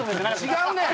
違うねん！